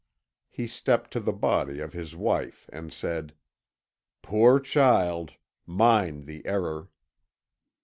He stepped to the body of his wife and said: "Poor child! Mine the error."